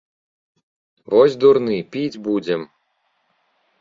Вось дурны, піць будзем.